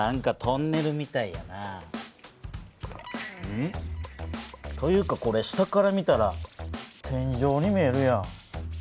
ん？というかこれ下から見たら天じょうに見えるやん。